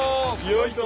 よいと。